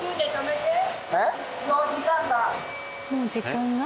「もう時間が」？